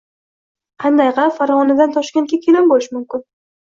Qanday qilib Farg`onadan Toshkentga kelin bo`lish mumkin